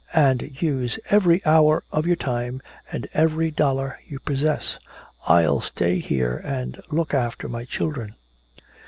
And use every hour of your time and every dollar you possess. I'll stay here and look after my children."